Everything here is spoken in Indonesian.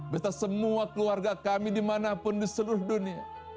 bisa semua keluarga kami dimanapun di seluruh dunia